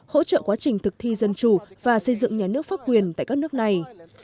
hỗ trợ quá trình thực thi dân chủ và xây dựng nhà nước pháp quyền tại các nước này